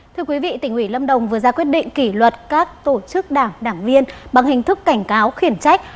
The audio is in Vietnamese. thưa quý vị tỉnh ủy lâm đồng vừa ra quyết định kỷ luật các tổ chức đảng đảng viên bằng hình thức cảnh cáo khiển trách